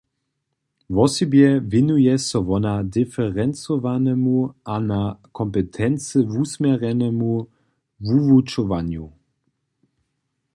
Wosebje wěnuje so wona diferencowanemu a na kompetency wusměrjenemu wuwučowanju.